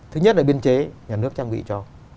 thứ nhất là biên chế nhà nước trang bị cho